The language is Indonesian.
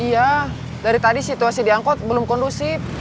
iya dari tadi situasi diangkut belum kondusif